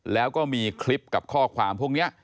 แล้วก็มีคลิปกับข้อความพวกนี้